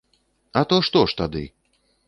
А то што ж тады?